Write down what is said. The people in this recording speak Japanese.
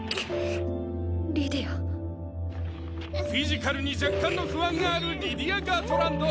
フィジカルに若干の不安があるリディア・ガートランド。